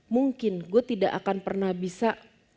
mungkin gue tidak akan pernah bisa